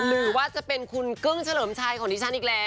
หรือว่าจะเป็นคุณกึ้งเฉลิมชัยของดิฉันอีกแล้ว